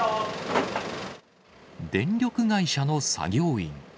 電力会社の作業員。